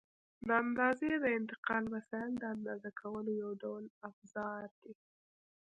د اندازې د انتقال وسایل د اندازه کولو یو ډول افزار دي.